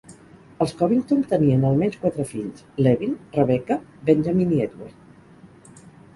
Els Covington tenien almenys quatre fills: Levin, Rebecca, Benjamin i Edward.